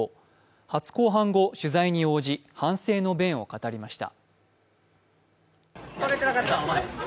初公判後、取材に応じ反省の弁を語りました。